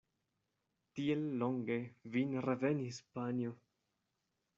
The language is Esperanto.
Tiel longe vi ne revenis, panjo!